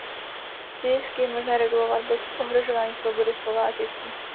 Tisk je možné regulovat bez ohrožování svobody slova a tisku.